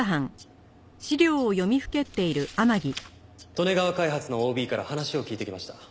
利根川開発のＯＢから話を聞いてきました。